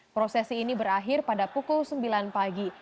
prosesi ini berakhir pada pukul sembilan pagi